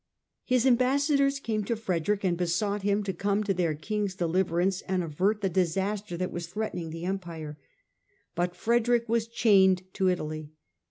His ambassadors came to Frederick and besought him to come to their King's deliverance, and avert the disaster that was threatening the Empire. But Frederick was chained to Italy.